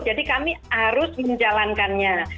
jadi kami harus menjalankannya